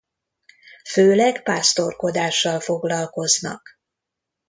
Főleg pásztorkodással foglalkoznak.